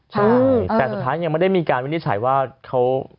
ใช่แต่สุดท้ายยังไม่ได้มีการวินิจฉัยว่าเขา